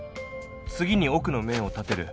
次に奥の面を立てる。